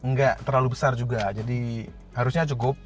nggak terlalu besar juga jadi harusnya cukup